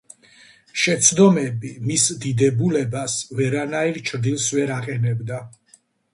შეცდომები მის დიდებულებას ვერანაირ ჩრდილს ვერ აყენებდა.